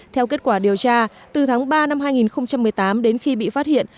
theo kết quả điều tra từ tháng ba năm hai nghìn một mươi tám đến khi bị phát hiện